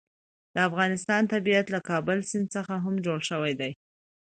د افغانستان طبیعت له کابل سیند څخه هم جوړ شوی دی.